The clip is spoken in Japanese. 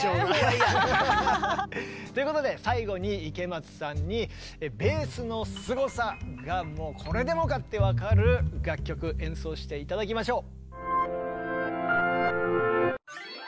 いや。ということで最後に池松さんにベースのすごさがもうこれでもか！って分かる楽曲演奏して頂きましょう。